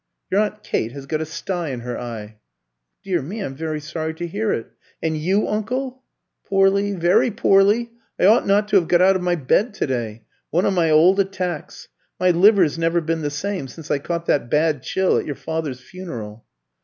"Your aunt Kate has got a stye in her eye." "Dear me, I'm very sorry to hear it. And you, uncle?" "Poorly, very poorly. I ought not to have got out of my bed to day. One of my old attacks. My liver's never been the same since I caught that bad chill at your father's funeral."